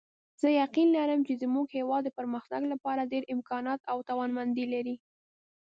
زه یقین لرم چې زموږ هیواد د پرمختګ لپاره ډېر امکانات او توانمندۍ لري